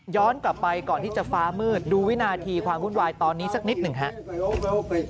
กลับไปก่อนที่จะฟ้ามืดดูวินาทีความวุ่นวายตอนนี้สักนิดหนึ่งครับ